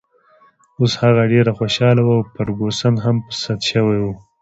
اوس هغه ډېره خوشحاله وه او فرګوسن هم په سد شوې وه.